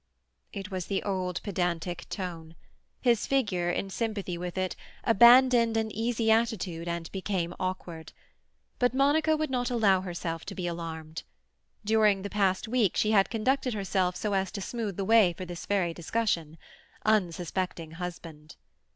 It was the old pedantic tone. His figure, in sympathy with it, abandoned an easy attitude and became awkward. But Monica would not allow herself to be alarmed. During the past week she had conducted herself so as to smooth the way for this very discussion. Unsuspecting husband!